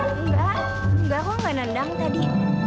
enggak enggak aku nggak nendang tadi